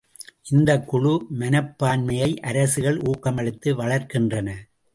இந்தக் குழு மனப்பான்மையை அரசுகள் ஊக்கமளித்து வளர்க்கின்றன.